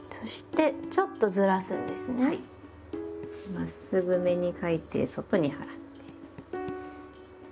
まっすぐめに書いて外に払って。